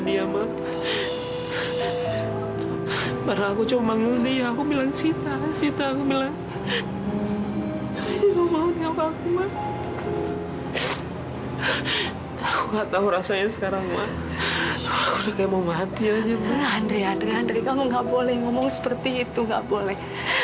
ini untuk agusta teh